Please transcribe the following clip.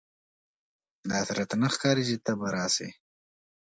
داسي راته نه ښکاري چې ته به راسې !